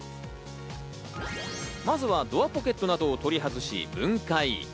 まずはドアポケットなどを取り外し、分解。